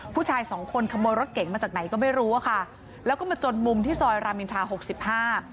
ผู้ชายสองคนขโมยรถเก๋งมาจากไหนก็ไม่รู้อะค่ะแล้วก็มาจนมุมที่ซอยรามอินทราหกสิบห้า